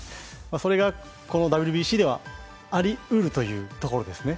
それがこのＷＢＣでは、ありうるということですね。